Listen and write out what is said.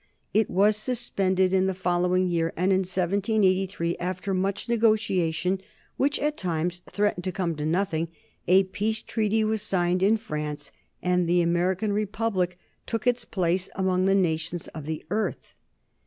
It was suspended in the following year, and in 1783, after much negotiation, which at times threatened to come to nothing, a treaty of peace was signed in France, and the American Republic took its place among the nations of the earth.